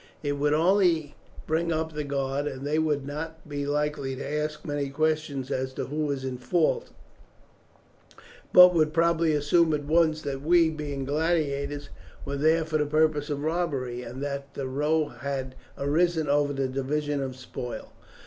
It would only bring up the guard, and they would not be likely to ask many questions as to who was in fault, but would probably assume at once that we, being gladiators, were there for the purpose of robbery, and that the row had arisen over the division of spoil.